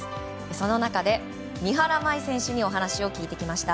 その中で三原舞依選手にお話を聞いてきました。